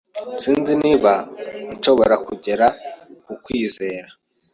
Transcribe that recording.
Sinzi niba nshobora kongera kukwizera.